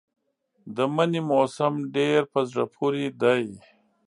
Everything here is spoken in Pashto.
د مني موسم ډېر په زړه پورې دی.